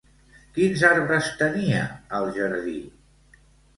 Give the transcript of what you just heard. Quins arbres tenia al jardí?